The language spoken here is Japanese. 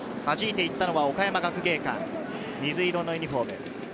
はじいていったのは岡山学芸館、水色のユニホーム。